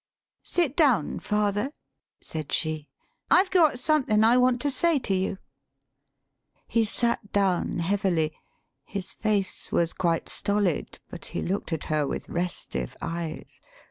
" Sit down, father," [said 161 THE SPEAKING VOICE she;] "I've got somethin' I want to say to you." [He sat down heavily; his face was quite stolid, but he looked at her with restive eyes.